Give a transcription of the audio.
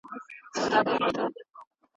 ټولنپوهنه د اقتصاد او ټولنې اړیکې سپړي.